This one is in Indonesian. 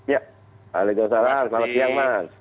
wa alaikumsalam selamat siang mas